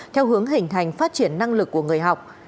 theo hướng hình thành phát triển năng lực của người học